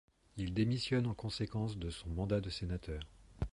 Il démissionne en conséquence de son mandat de sénateur.